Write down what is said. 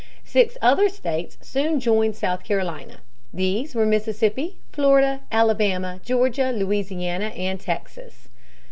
Six other states soon joined South Carolina. These were Mississippi, Florida, Alabama, Georgia, Louisiana, and Texas.